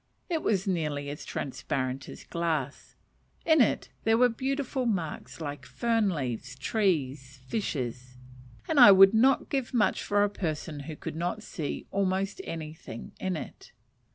It was nearly as transparent as glass; in it there were beautiful marks like fern leaves, trees, fishes and I would not give much for a person who could not see almost anything in it.